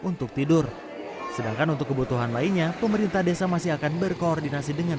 untuk tidur sedangkan untuk kebutuhan lainnya pemerintah desa masih akan berkoordinasi dengan